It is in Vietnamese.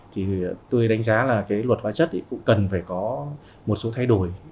thì tôi đánh giá là cái luật hóa chất ấy cũng cần phải có một số thay đổi